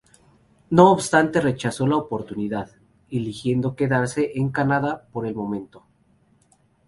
No obstante rechazó la oportunidad, eligiendo quedarse en Canadá por el momento.